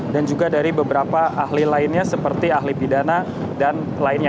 dan juga dari beberapa ahli lainnya seperti ahli pidana dan lainnya